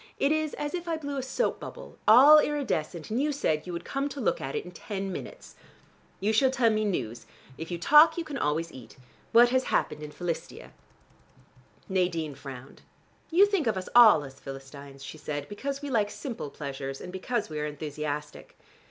It is as if I blew a soap bubble, all iridescent, and you said you would come to look at it in ten minutes. You shall tell me news: if you talk you can always eat. What has happened in Philistia?" Nadine frowned. "You think of us all as Philistines," she said, "because we like simple pleasures, and because we are enthusiastic."